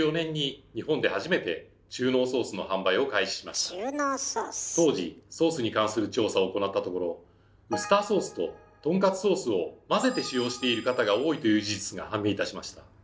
私たちの会社では当時ソースに関する調査を行ったところウスターソースととんかつソースを混ぜて使用している方が多いという事実が判明いたしました。